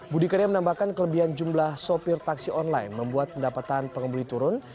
budi karya menambahkan kelebihan jumlah sopir taksi online membuat pendapatan pengemudi turun